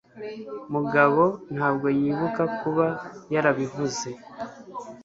mugabo ntabwo yibuka kuba yarabivuze